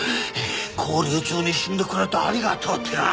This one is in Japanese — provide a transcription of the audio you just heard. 勾留中に死んでくれてありがとうってな。